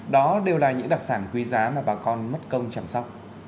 đó đều là những đặc sản quý giá mà bà con mất công chăm sóc